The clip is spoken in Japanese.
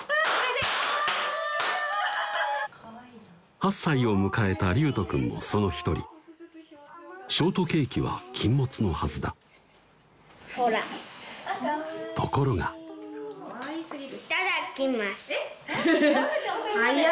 ８歳を迎えたりゅうと君もその一人ショートケーキは禁物のはずだところがいただきますえっ？